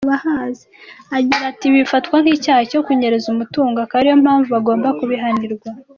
Agira ati “Ibi bifatwa nk’icyaha cyo kunyereza umutungo, akaba ariyo mpamvu bagomba kubihanirwa.